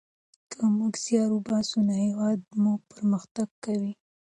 که موږ زیار وباسو نو هیواد مو پرمختګ کوي.